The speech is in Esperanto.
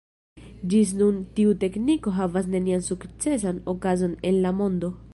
Ĝis nun tiu tekniko havas nenian sukcesan okazon en la mondo.